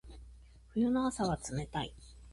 冬の朝は冷たい。